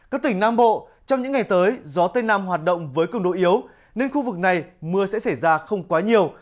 các tỉnh nam bộ trong những ngày tới gió tây nam hoạt động với cường độ yếu nên khu vực này mưa sẽ xảy ra không quá nhiều